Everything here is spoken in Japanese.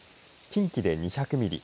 近畿で２００ミリ